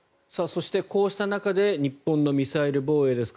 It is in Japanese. そして、こうした中で日本のミサイル防衛です。